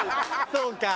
そうか。